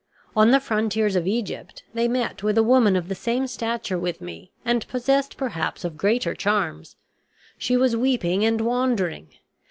On the frontiers of Egypt they met with a woman of the same stature with me, and possessed perhaps of greater charms. She was weeping and wandering.